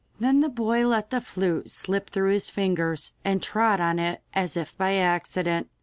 Then the boy let the flute slip through his fingers, and trod on it, as if by accident.